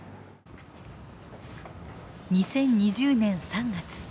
２０２０年３月。